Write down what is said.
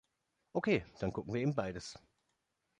Okay, dann gucken wir eben beides.